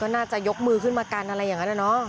น่าจะยกมือขึ้นมากันอะไรอย่างนั้นนะเนาะ